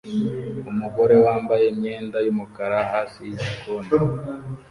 Umugore wambaye imyenda yumukara hasi yigikoni